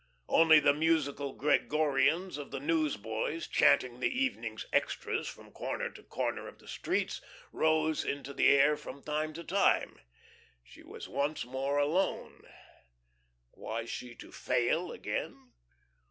Only the musical Gregorians of the newsboys chanting the evening's extras from corner to corner of the streets rose into the air from time to time. She was once more alone. Was she to fail again?